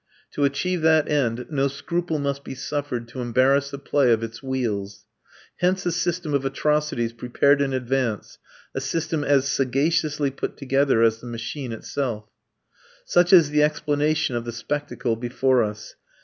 To achieve that end, no scruple must be suffered to embarrass the play of its wheels. Hence a system of atrocities prepared in advance a system as sagaciously put together as the machine itself. Such is the explanation of the spectacle before us.